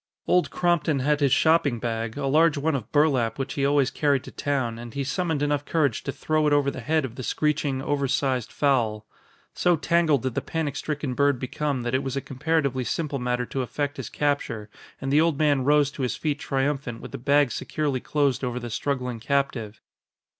Old Crompton had his shopping bag, a large one of burlap which he always carried to town, and he summoned enough courage to throw it over the head of the screeching, over sized fowl. So tangled did the panic stricken bird become that it was a comparatively simple matter to effect his capture, and the old man rose to his feet triumphant with the bag securely closed over the struggling captive.